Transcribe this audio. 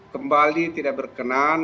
kembali tidak berkenan